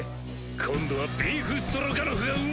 今度はビーフストロガノフがうまい！